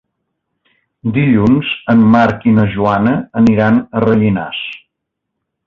Dilluns en Marc i na Joana aniran a Rellinars.